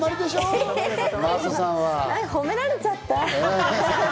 褒められちゃった！